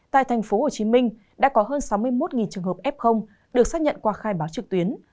tại tp hcm đã có hơn sáu mươi một trường hợp f được xác nhận qua khai báo trực tuyến